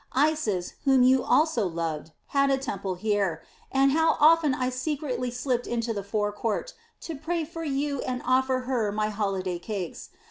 Isis, whom you also loved, had a temple here, and how often I secretly slipped into the forecourt to pray for you and offer her my holiday cakes.